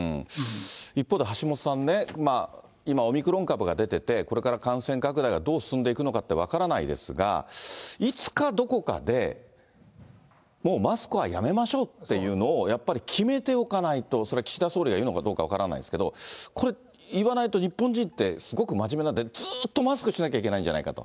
一方で、橋下さんね、今オミクロン株が出ていて、これから感染拡大がどう進んでいくのかって分からないですが、いつかどこかで、もうマスクはやめましょうっていうのを、やっぱり決めておかないと、それは岸田総理が言うのかどうか分からないですけど、これ、言わないと日本人って、すごく真面目なんで、ずっとマスクしなきゃいけないんじゃないかと。